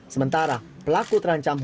sementara pelaku terancam hukumnya